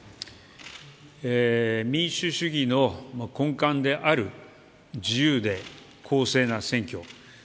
民主主義の根幹である自由で公正な選挙。